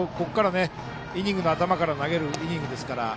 イニングの頭から投げるイニングですから。